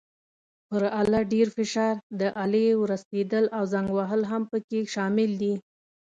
پر آله ډېر فشار، د آلې ورستېدل او زنګ وهل هم پکې شامل دي.